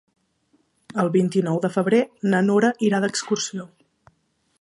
El vint-i-nou de febrer na Nora irà d'excursió.